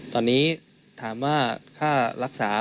ตอนนี้ถามว่าค่ารักษา